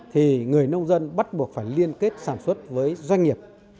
thì người nông dân bắt buộc phải liên kết sản xuất với doanh nghiệp